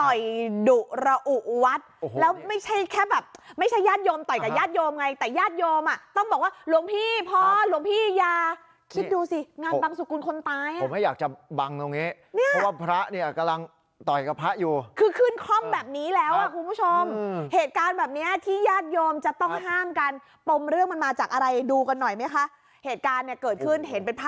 ต่อยดุระอุวัฒน์แล้วไม่ใช่แค่แบบไม่ใช่ยาดโยมต่อยกับยาดโยมไงแต่ยาดโยมอ่ะต้องบอกว่าหลวงพี่พ่อหลวงพี่ยาคิดดูสิงานบำสุกุลคนตายอ่ะผมไม่อยากจะบังตรงนี้เพราะว่าพระเนี่ยกำลังต่อยกับพระอยู่คือขึ้นคล่อมแบบนี้แล้วอ่ะคุณผู้ชมเหตุการณ์แบบเนี้ยที่ยาดโยมจะต้องห้ามกันปมเรื่องมัน